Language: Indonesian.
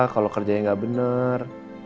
kalau kerjanya gak bener